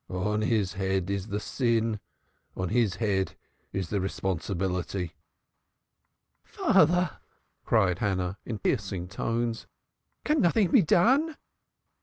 "On his head is the sin; on his head is the responsibility." "Father," cried Hannah in piercing tones, "can nothing be done?"